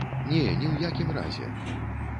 Не, ні ў якім разе.